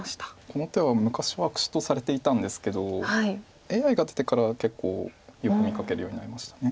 この手は昔は悪手とされていたんですけどＡＩが出てからは結構よく見かけるようになりました。